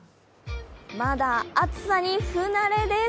まだ暑さに不慣れです。